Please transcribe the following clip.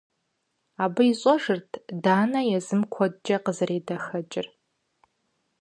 Абы ищӏэжырт Данэ езым куэдкӏэ къызэредэхэкӏыр.